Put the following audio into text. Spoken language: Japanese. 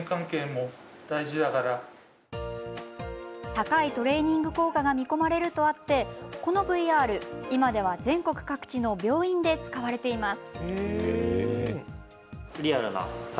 高いトレーニング効果が見込まれるとあってこのＶＲ、今では全国各地の病院で使われています。